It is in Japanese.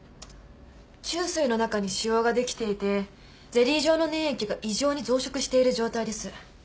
虫垂の中に腫瘍ができていてゼリー状の粘液が異常に増殖している状態です。